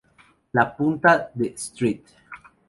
La punta de St.